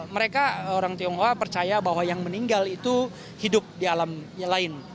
mereka orang tionghoa percaya bahwa yang meninggal itu hidup di alam yang lain